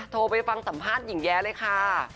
โทรไปฟังสัมภาษณ์หญิงแย้เลยค่ะ